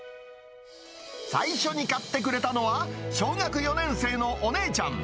最初に買ってくれたのは、小学４年生のお姉ちゃん。